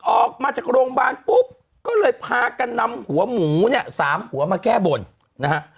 ออกมาจากโรงพยาบาลปุ๊บก็เลยพากันนำหัวหมูเนี่ย๓หัวมาแก้บนนะฮะ